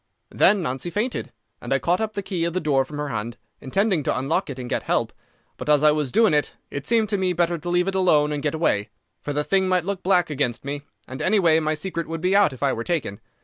"Then Nancy fainted, and I caught up the key of the door from her hand, intending to unlock it and get help. But as I was doing it it seemed to me better to leave it alone and get away, for the thing might look black against me, and any way my secret would be out if I were taken.